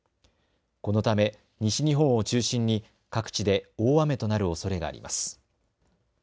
このため西日本を中心に各地で大雨となるおそれがあります。